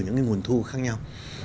những cái nguồn thu khác nhau